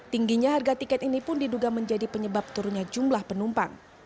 tingginya harga tiket ini pun diduga menjadi penyebab turunnya jumlah penumpang